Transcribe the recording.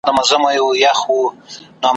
خپلي مطالعې ته دوام ور کړی دئ